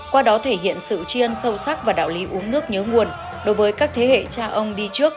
qua đó thể hiện sự chiên sâu sắc và đạo lý uống nước nhớ nguồn đối với các thế hệ cha ông đi trước